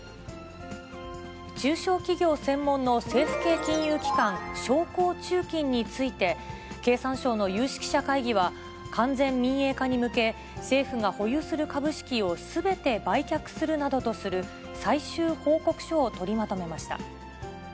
中小企業専門の政府系金融機関、商工中金について、経産省の有識者会議は、完全民営化に向け、政府が保有する株式をすべて売却するなどとする最終報告書を取りまとめました。